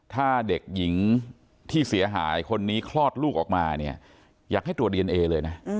ถ้าเด็กหญิงที่เสียหายคนนี้คลอดลูกออกมาเนี่ยอยากให้ตรวจดีเอนเอเลยนะ